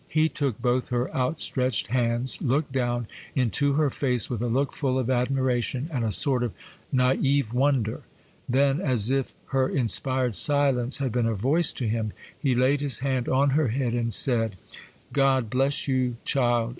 He took both her outstretched hands, looked down into her face with a look full of admiration, and a sort of naïve wonder,—then, as if her inspired silence had been a voice to him, he laid his hand on her head, and said,— 'God bless you, child!